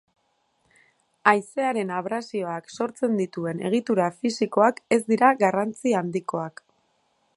Haizearen abrasioak sortzen dituen egitura fisikoak ez dira garrantzi handikoak.